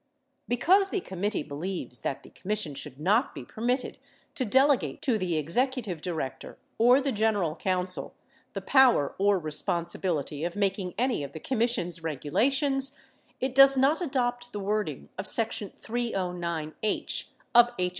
Because the committee believes that the Commis sion should not be permitted to delegate to the executive director or the general counsel the power or responsibility of making any of the Com mission's regulations, it does not adopt the wording of section 309(h) of H.